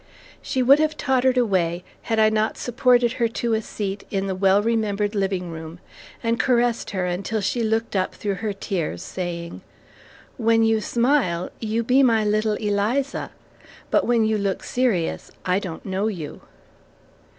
She would have tottered away had I not supported her to a seat in the well remembered living room and caressed her until she looked up through her tears, saying, "When you smile, you be my little Eliza, but when you look serious, I don't know you."